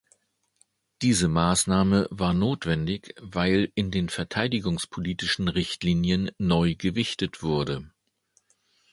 Diese Maßnahme war notwendig, weil in den Verteidigungspolitischen Richtlinien neu gewichtet wurde.